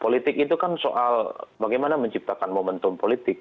politik itu kan soal bagaimana menciptakan momentum politik